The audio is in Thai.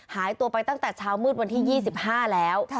หายตัวไปตั้งแต่เช้ามืดวันที่๒๕แล้ว